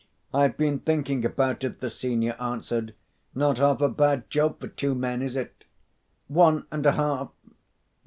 "I've been thinking about it," the senior answered. "Not half a bad job for two men, is it?" "One and a half.